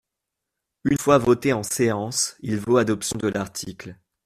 Une fois voté en séance, il vaut adoption de l’article.